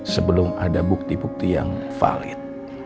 sebelum ada bukti bukti yang valid